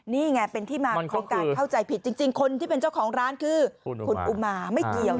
นี่ไงเป็นที่มาของการเข้าใจผิดจริงคนที่เป็นเจ้าของร้านคือคุณอุมาไม่เกี่ยว